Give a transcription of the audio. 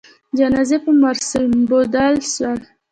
جنازې په مراسموبدل سول.